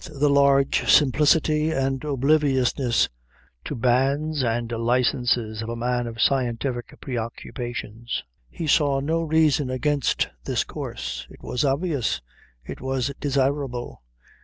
With the large simplicity and obliviousness to banns and licences of a man of scientific preoccupations he saw no reason against this course. It was obvious. It was desirable.